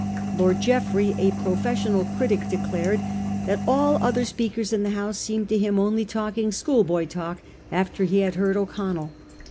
Lord Jeffrey, a professional critic, declared that all other speakers in the House seemed to him only talking schoolboy talk after he had heard O'Con nell.